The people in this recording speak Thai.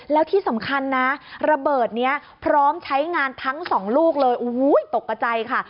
แล้วที่สำคัญนะระเบิดนี้พร้อมใช้งานทั้งสองลูกเลยตกกระใจค่ะ